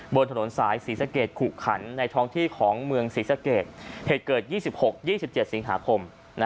บนถนนสายศรีสะเกดขุขันในท้องที่ของเมืองศรีสะเกดเหตุเกิด๒๖๒๗สิงหาคม